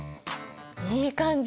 いい感じ。